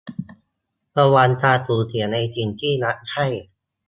ระวังการสูญเสียในสิ่งที่รักใคร่